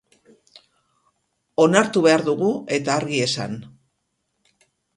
Onartu behar dugu, eta argi esan.